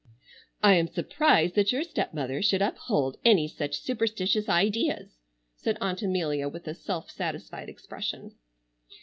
"I am surprised that your stepmother should uphold any such superstitious ideas," said Aunt Amelia with a self satisfied expression.